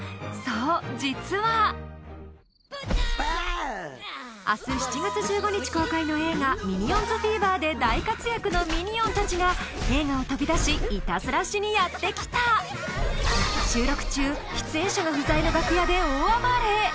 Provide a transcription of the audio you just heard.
そう実は明日７月１５日公開の映画「ミニオンズフィーバー」で大活躍のミニオンたちが映画を飛び出しイタズラしにやってきた収録中出演者が不在の楽屋で大暴れ！